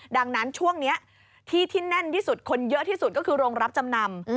ดังนั้นช่วงนี้ที่ที่แน่นที่สุดคนเยอะที่สุดก็คือโรงรับจำนำ